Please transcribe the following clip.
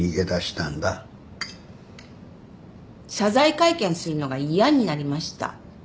謝罪会見するのが嫌になりました。